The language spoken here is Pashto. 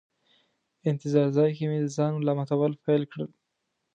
انتظار ځای کې مې د ځان ملامتول پیل کړل.